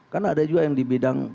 kan ada juga yang di bidang